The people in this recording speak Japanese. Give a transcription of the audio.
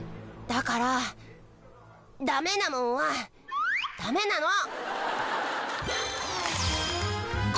だからダメなもんはダメなの！